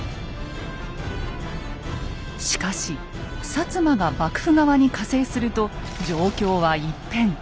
しかし摩が幕府側に加勢すると状況は一変。